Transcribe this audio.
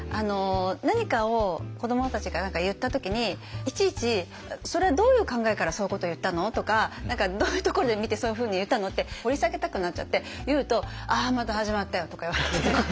何かを子どもたちが言った時にいちいち「それはどういう考えからそういうこと言ったの？」とか「どういうところで見てそういうふうに言ったの？」って掘り下げたくなっちゃって言うと「ああまた始まったよ」とか言われて。